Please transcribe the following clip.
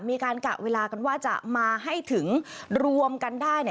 กะเวลากันว่าจะมาให้ถึงรวมกันได้